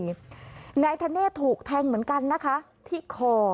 นายธเนธถูกแทงเหมือนกันนะคะที่คอ